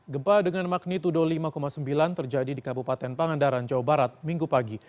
gempa dengan magnitudo lima sembilan terjadi di kabupaten pangandaran jawa barat minggu pagi